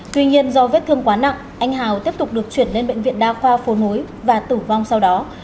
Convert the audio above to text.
tuy nhiên do vết thương quá nặng anh hào tiếp tục được chuyển lên bệnh viện đa khoa phố nối và tử vong sau đó